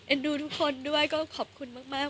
ดูทุกคนด้วยก็ขอบคุณมาก